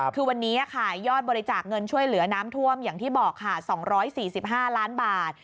คือวันนี้ค่ะยอดบริจาคเงินช่วยเหลือน้ำท่วมอย่างที่บอกค่ะ๒๔๕ล้านบาท